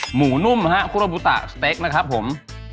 หมูนุ่มฮะคุโรบุตะสเต็กนะครับผม